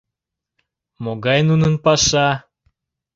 Могай нунын паша?